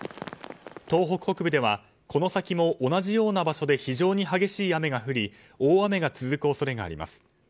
東北北部では、この先も同じような場所で非常に激しい雨が降り大雨が続く恐れがあります。